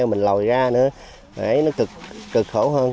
mình lòi ra nữa để nó cực khổ hơn